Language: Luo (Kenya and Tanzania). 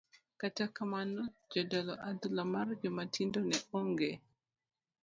kata mana mar jolo adhula mar joma tindo be onge?